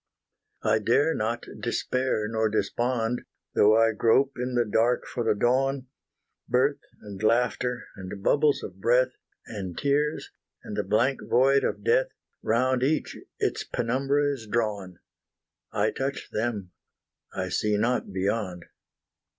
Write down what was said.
I dare not despair nor despond, Though I grope in the dark for the dawn: Birth and laughter, and bubbles of breath, And tears, and the blank void of death, Round each its penumbra is drawn, I touch them, I see not beyond.